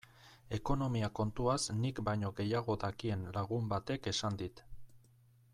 Ekonomia kontuaz nik baino gehiago dakien lagun batek esan dit.